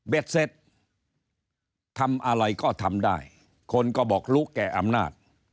เสร็จทำอะไรก็ทำได้คนก็บอกรู้แก่อำนาจ